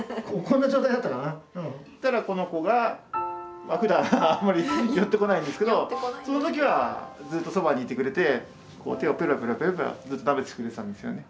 そしたらこの子がふだんはあんまり寄ってこないんですけどその時はずっとそばにいてくれて手をペロペロペロペロずっとなめてくれてたんですよね。